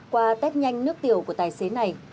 qua test nhanh nước tiểu của tài xế này